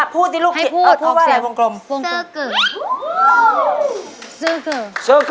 พูดที่ลูกคิดออกเสียงวงกลม